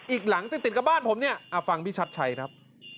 อีกหลังติดกับบ้านผมเนี่ยฟังพี่ชัดชัยครับ